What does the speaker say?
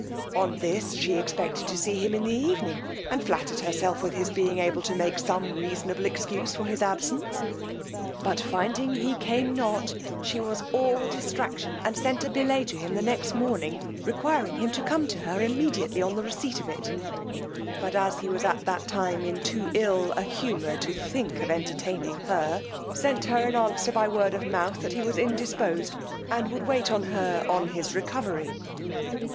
On this she expected to see him in the evening, and flattered herself with his being able to make some reasonable excuse for his absence; but finding he came not, she was all distraction, and sent a billet to him next morning, requiring him to come to her immediately on the receipt of it; but as he was at that time in too ill a humour to think of entertaining her, sent her an answer by word of mouth, that he was indisposed, and would wait on her on his recovery.